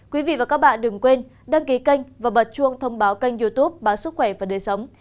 quý vị và các bạn đừng quên đăng ký kênh và bật chuông thông báo kênh youtube báo sức khỏe và đời sống